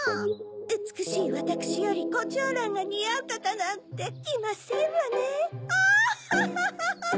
うつくしいわたくしよりコチョウランがにあうかたなんていませんわねオッホッホッホッ！